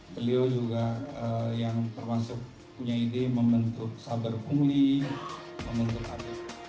beliau juga yang termasuk punya ide membentuk saber pungli membentuk ade